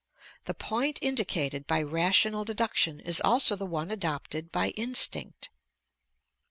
The point indicated by rational deduction is also the one adopted by instinct.